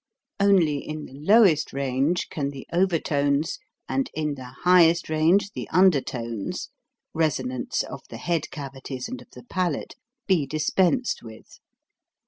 Only in the lowest range can the overtones, and in the highest range the undertones (resonance of the head cavities and of the palate), be dispensed with.